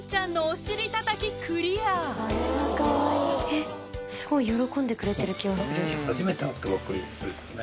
えっすごい喜んでくれてる気がする。